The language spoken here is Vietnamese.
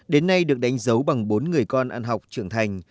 đến nay được đánh dấu bằng bốn người con ăn học trưởng thành